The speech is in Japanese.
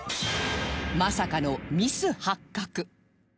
まさかのミス発覚！